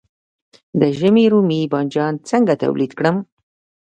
د ژمي رومي بانجان څنګه تولید کړم؟